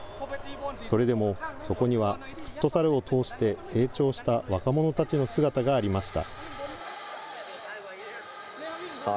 それでも、そこにはフットサルを通して成長した若者たちの姿がありました。